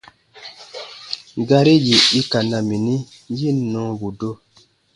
Gari yì i ka na mi, yi ǹ nɔɔbu do.